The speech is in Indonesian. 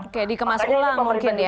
oke dikemas ulang mungkin ya